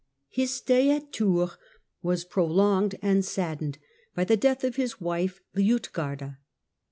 Bis stay at Tours was prolonged and saddened by the leath of his wife Liutgarda.